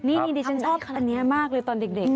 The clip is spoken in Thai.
นี่นี่ที่ที่หนูตอบตัวนี้มากเลยตอนเด็ก